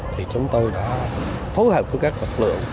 thì chúng tôi đã phối hợp với các lực lượng